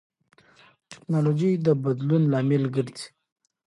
ټیکنالوژي د بدلون لامل ګرځي.